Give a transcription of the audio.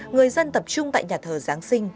người dân tập trung tại nhà thờ giáng sinh